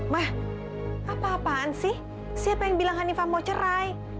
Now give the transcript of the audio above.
mah apa apaan sih siapa yang bilang hanifah mau cerai